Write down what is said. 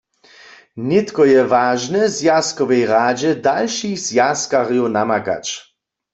Nětko je wažne, w Zwjazkowej radźe dalšich zwjazkarjow namakać.